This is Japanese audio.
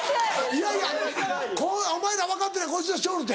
いやいやお前ら分かってないこいつらしよるって。